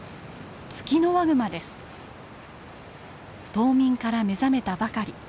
冬眠から目覚めたばかり。